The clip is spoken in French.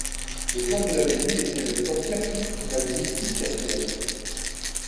Le plan de l'abbaye était le plan classique d'une abbaye cistercienne.